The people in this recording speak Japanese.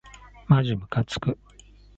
まじむかつく